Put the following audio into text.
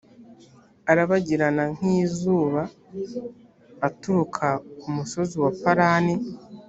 arabagirana nk’izuuba aturuka ku musozi wa parani.